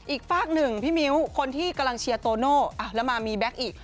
ฝากหนึ่งพี่มิ้วคนที่กำลังเชียร์โตโน่แล้วมามีแก๊กอีก